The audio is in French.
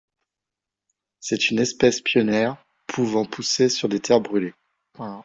C'est une espèce pionnière, pouvant pousser sur des terres brûlées.